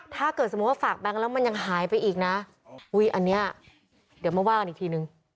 ถ้าเกิดสมมุติว่าฝากแบงค์แล้วมันยังหายไปอีกนะอุ้ยอันนี้เดี๋ยวมาว่ากันอีกทีนึง